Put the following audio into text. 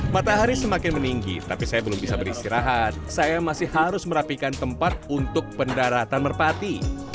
matahari semakin meninggi tapi saya belum bisa beristirahat saya masih harus merapikan tempat untuk pendaratan merpati